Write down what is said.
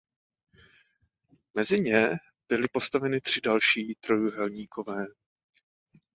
Mezi ně byly postaveny tři další trojúhelníkové.